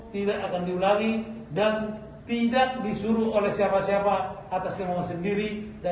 tidak akan diulangi dan tidak disuruh oleh siapa siapa atas kemohonan sendiri